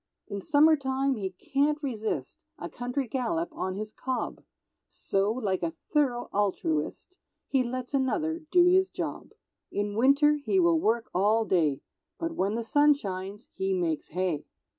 In summertime he can't resist A country gallop on his cob, So, like a thorough altruist, He lets another do his job; In winter he will work all day, But when the sun shines he makes Hay.